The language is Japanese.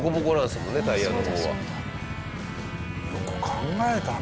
よく考えたな。